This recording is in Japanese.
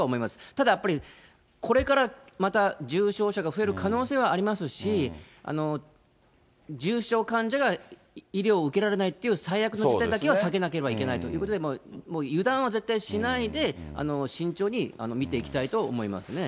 ただやっぱり、これからまた重症者が増える可能性はありますし、重症患者が医療を受けられないっていう最悪の事態だけは避けなければいけないということで、もう油断は絶対しないで、慎重に見ていきたいと思いますね。